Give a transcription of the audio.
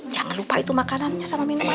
jangan lupa itu makanannya sama minuman